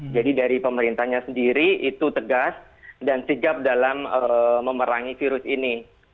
jadi dari pemerintahnya sendiri itu tegas dan sigap dalam memerangi virus ini